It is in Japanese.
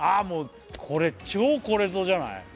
もうこれ超これぞじゃない？